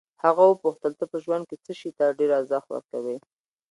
هغه وپوښتل ته په ژوند کې څه شي ته ډېر ارزښت ورکوې.